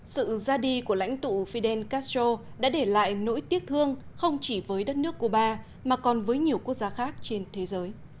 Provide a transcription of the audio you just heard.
sự ra đi của lãnh tụ fidel castro đã để lại nỗi tiếc thương không chỉ với đất nước cuba mà còn với nhiều quốc gia khác trên thế giới